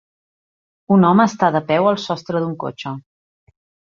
Un home està de peu al sostre d'un cotxe.